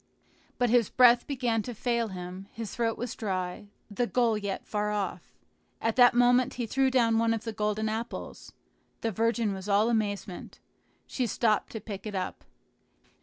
But his breath began to fail him, his throat was dry, the goal yet far off. At that moment he threw down one of the golden apples. The virgin was all amazement. She stopped to pick it up.